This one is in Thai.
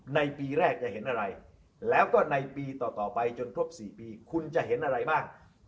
ในปีแรกจะเห็นอะไรแล้วก็ในปีต่อไปจนครบ๔ปีคุณจะเห็นอะไรบ้าง